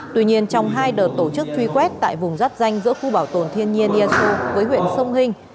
tuy nhiên trong hai đợt tổ chức truy quét tại vùng rắp danh giữa khu bảo tồn thiên nhiên esu với huyện sông hình